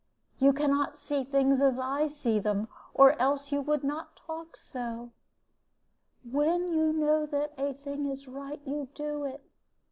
You can not see things as I see them, or else you would not talk so. When you know that a thing is right, you do it.